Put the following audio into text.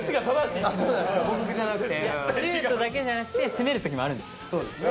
いやシュートだけじゃなくて攻めるときもあるんですよ。